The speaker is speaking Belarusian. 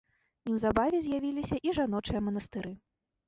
Неўзабаве з'явіліся і жаночыя манастыры.